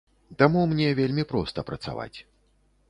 Таму мне вельмі проста працаваць.